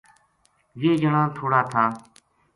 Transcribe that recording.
یہ جنا تھوڑا تھا